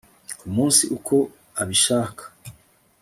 ku munsi uko abishaka